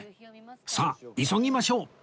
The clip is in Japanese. さあ急ぎましょう